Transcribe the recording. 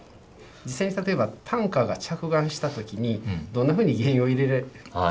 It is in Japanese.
実際に例えばタンカーが着岸した時にどんなふうに原油を入れてるのかとか。